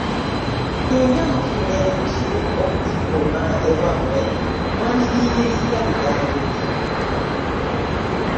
Singa mufuna enkusu okugikuuma ewammwe, mwandigiyigirizza bigambo ki?